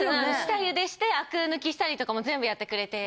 下茹でしてあく抜きしたりとかも全部やってくれて。